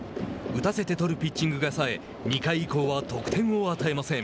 打たせて取るピッチングがさえ２回以降は得点を与えません。